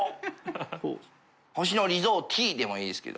屐星野リゾーＴ」でもいいですけど。